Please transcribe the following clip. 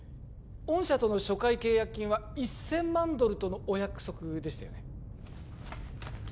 御社との初回契約金は１千万ドルとのお約束でしたよね